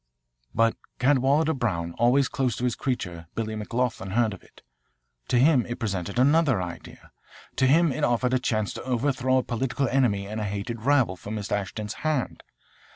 "But Cadwalader Brown, always close to his creature, Billy McLoughlin, heard of it. To him it presented another idea.=20 To him it offered a chance to overthrow a political enemy and a hated rival for Miss Ashton's hand.